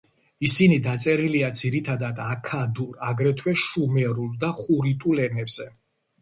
ისინი დაწერილია ძირითადად აქადურ, აგრეთვე შუმერულ და ხურიტულ ენებზე.